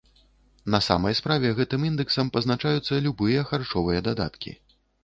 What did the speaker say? На самай справе гэтым індэксам пазначаюцца любыя харчовыя дадаткі.